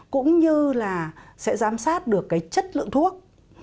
cũng như là sẽ giám sát được cái chất lượng thuốc